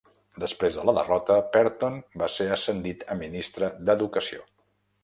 Després de la derrota, Perton va ser ascendit a Ministre d"Educació.